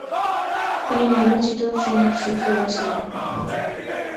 তিনি নির্বাচিত ত্রিনিত্রি ফেলো ছিলেন।